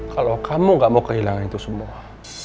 kalau kamu gak mau kehilangan itu semua